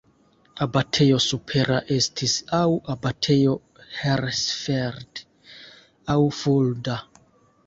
Abatejo supera estis aŭ Abatejo Hersfeld aŭ Fulda.